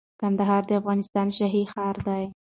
کندهار د افغانستان شاهي ښار دي